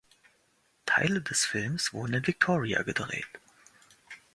Teile des Films wurden in Victoria gedreht.